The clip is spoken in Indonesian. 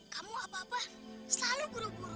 kamu apa apa selalu buru buru